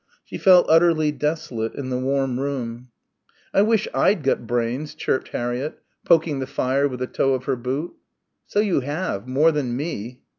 She felt utterly desolate in the warm room. "I wish I'd got brains," chirped Harriett, poking the fire with the toe of her boot. "So you have more than me."